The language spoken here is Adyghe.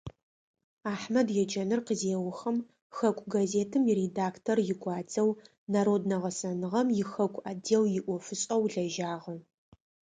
Ахьмэд еджэныр къызеухым, хэку гъэзетым иредактор игуадзэу, народнэ гъэсэныгъэм ихэку отдел иӀофышӀэу лэжьагъэ.